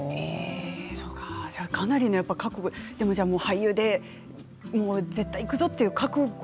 かなりの覚悟で俳優で絶対いくぞという覚悟を。